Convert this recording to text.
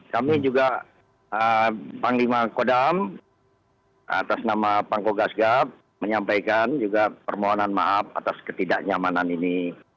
kami juga panglima kodam atas nama pangko gasgap menyampaikan juga permohonan maaf atas ketidaknyamanan ini